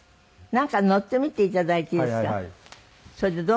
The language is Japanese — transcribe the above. なんか乗ってみていただいていいですか？